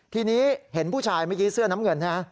ทีนี้เห็นผู้ชายเมื่อกี้เสื้อน้ำเงินใช่ไหม